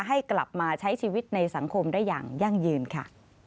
ให้กลับมาใช้ชีวิตในสังคมได้อย่างยั่งยืนค่ะ